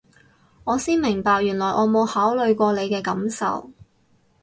我先明白原來我冇考慮過你嘅感受